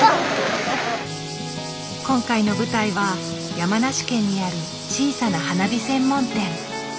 今回の舞台は山梨県にある小さな花火専門店。